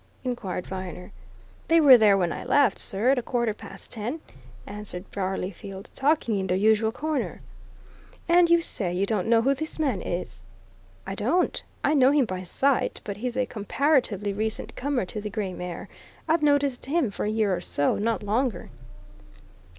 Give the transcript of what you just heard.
inquired Viner. "They were there when I left, sir, at a quarter past ten," answered Barleyfield. "Talking in their usual corner." "And you say you don't know who this man is?" "I don't! I know him by sight but he's a comparatively recent comer to the Grey Mare. I've noticed him for a year or so not longer."